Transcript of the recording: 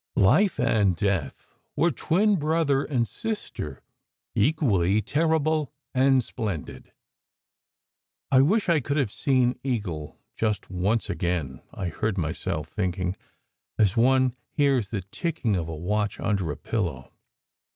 Life and death were twin brother and sister, equally terrible and splendid. "I wish I could have seen Eagle just once again/ I heard myself thinking, as one hears the ticking of a watch under a pillow.